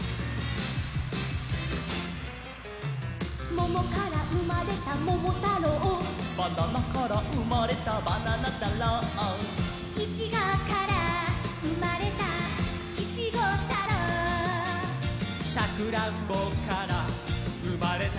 「ももからうまれたももたろう」「ばななからうまれたばななたろう」「いちごからうまれたいちごたろう」「さくらんぼからうまれた」